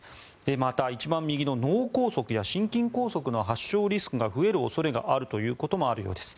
また、一番右の脳梗塞や心筋梗塞の発症リスクが増える恐れがあるということもあるようです。